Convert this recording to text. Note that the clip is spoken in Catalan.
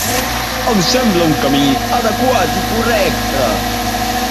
Em sembla un camí adequat i correcte.